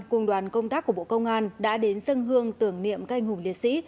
cung đoàn công tác của bộ công an đã đến sân hương tưởng niệm cây ngùng liệt sĩ